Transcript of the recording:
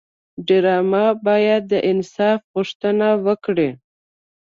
ډرامه باید د انصاف غوښتنه وکړي